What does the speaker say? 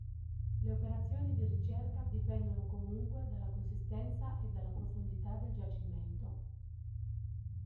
Le operazioni di ricerca dipendono comunque dalla consistenza e dalla profondità del giacimento.